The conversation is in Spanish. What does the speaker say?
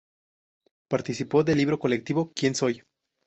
Participó del libro colectivo Quien soy.